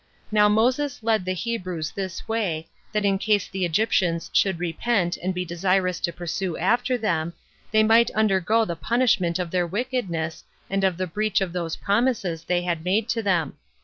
Now Moses led the Hebrews this way, that in case the Egyptians should repent and be desirous to pursue after them, they might undergo the punishment of their wickedness, and of the breach of those promises they had made to them.